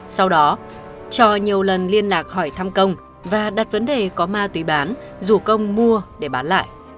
sau đó cho nhiều lần liên lạc hỏi thăm công và đặt vấn đề có ma túy bán dù công mua để bán lại